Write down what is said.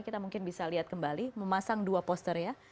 kita mungkin bisa lihat kembali memasang dua poster ya